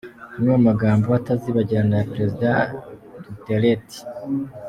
Amwe mu magambo atazibagirana ya Perezida Duterte.